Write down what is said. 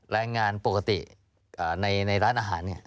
แรงงานปกติในร้านอาหาร